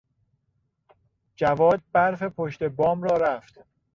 جواد برف پشت بام را رفت.